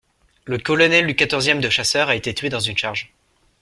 Le colonel du quatorzième de chasseurs a été tué dans une charge.